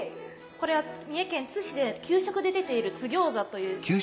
これは三重県津市で給食で出ている「津ぎょうざ」という食べ物です。